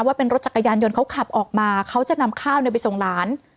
ว่าเป็นรถจักรยานยนต์เขาขับออกมาเขาจะนำข้าวไปส่งหลาน